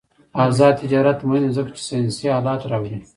آزاد تجارت مهم دی ځکه چې ساینسي آلات راوړي.